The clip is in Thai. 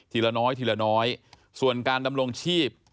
ทีละน้อยส่วนการดำรงชีพ